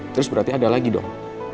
terus berarti ada lagi dong